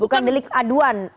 bukan delik aduan